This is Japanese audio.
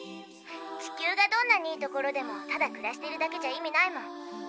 地球がどんなにいい所でもただ暮らしてるだけじゃ意味ないもん。